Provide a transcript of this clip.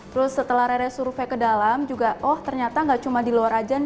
terus setelah rere survei ke dalam ternyata nggak cuma di luar saja